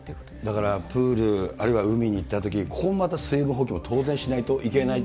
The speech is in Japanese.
だからプール、あるいは海に行ったとき、ここもまた水分補給を当然しないといけない。